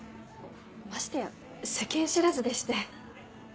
ましてや世間知らずでして。